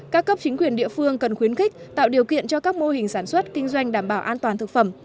các cấp chính quyền địa phương cần khuyến khích tạo điều kiện cho các mô hình sản xuất kinh doanh đảm bảo an toàn thực phẩm